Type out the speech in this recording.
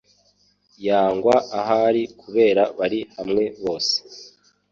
yangwa ahari kubera bari hamwe bose